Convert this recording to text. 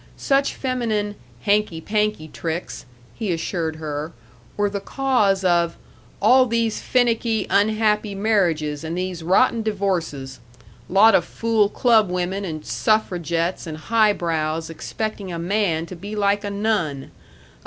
Such feminine "hanky panky tricks," he assured her, were the cause of "all these finicky, unhappy marriages and these rotten divorces lot of fool clubwomen and suffragettes and highbrows expecting a man to be like a nun.